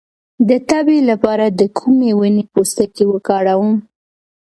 د تبې لپاره د کومې ونې پوستکی وکاروم؟